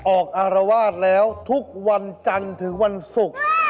อารวาสแล้วทุกวันจันทร์ถึงวันศุกร์